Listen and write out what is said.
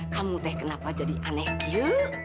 kamu teh kenapa jadi aneh yuk